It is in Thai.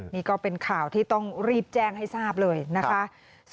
นี่ก็เป็นข่าวที่ต้องรีบแจ้งให้ทราบเลยนะคะ